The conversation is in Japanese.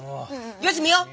よし見よう！